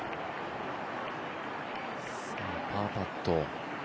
パーパット。